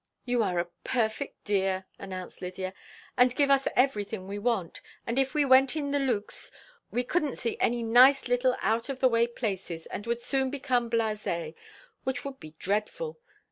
"You are a perfect dear," announced Lydia, "and give us everything we want. And if we went in the luxe we couldn't see any nice little out of the way places and would soon become blasé, which would be dreadful.